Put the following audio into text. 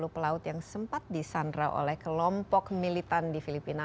sepuluh pelaut yang sempat disandra oleh kelompok militan di filipina